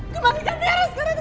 kembalikan tiara sekarang